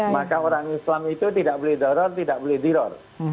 maka orang islam itu tidak boleh doror tidak boleh diror